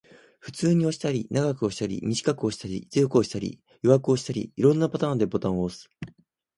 普通に押したり、長く押したり、短く押したり、強く押したり、弱く押したり、色々なパターンでボタンを押す